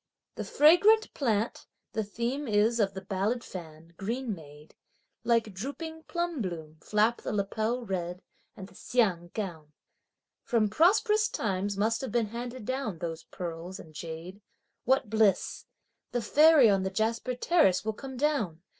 The "Fragrant Plant" the theme is of the ballad fan, green made. Like drooping plum bloom flap the lapel red and the Hsiang gown. From prosperous times must have been handed down those pearls and jade. What bliss! the fairy on the jasper terrace will come down!